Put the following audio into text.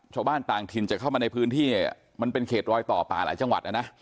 ชาวบ้านต่างถิ่นจะเข้ามาในพื้นที่มันเป็นเขตรอยต่อป่าหลายจังหวัดนะ